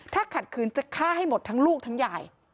ถ้าขัดขืนจะฆ่าให้หมดทั้งลูกทั้งยาย